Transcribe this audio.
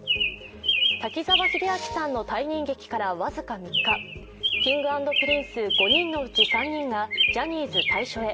滝沢さんの退任劇から僅か３日、Ｋｉｎｇ＆Ｐｒｉｎｃｅ５人のうち３人がジャニーズ退所へ。